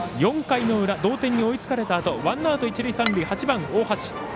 ４回の裏同点に追いつかれたあとワンアウト、一塁三塁８番大橋。